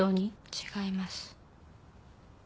違います。